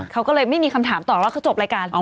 เขาก็เลยไม่มีคำถามตอบว่าเขาจบรายการ